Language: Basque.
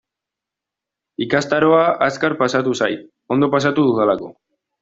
Ikastaroa azkar pasatu zait, ondo pasatu dudalako.